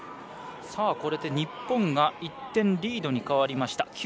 これで日本が１点リードに変わりました。